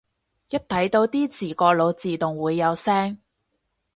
一睇到啲字個腦自動會有聲